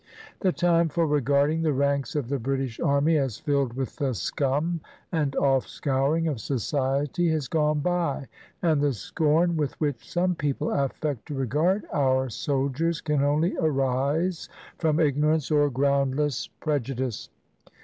The time for regarding the ranks of the British army as filled with the scum and offscouring of society has gone by; and the scorn with which some people affect to regard our soldiers can only arise from ignorance or groundless prejudice.